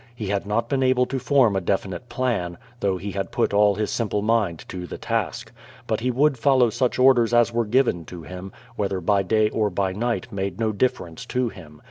He had not been able to form a definite plan, though he had put all his simple mind to the task. But he would follow such orders as were given him, whether by day or by night made no difference to him.